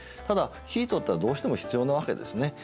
ただ生糸ってのはどうしても必要なわけですね。